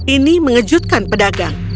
ini mengejutkan pedagang